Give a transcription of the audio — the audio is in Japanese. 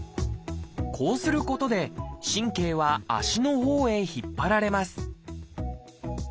こうすることで神経は足のほうへ引っ張られます